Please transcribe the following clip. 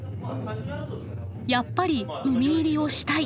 やっぱり海入りをしたい。